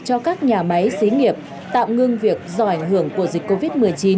cho các nhà máy xí nghiệp tạm ngưng việc do ảnh hưởng của dịch covid một mươi chín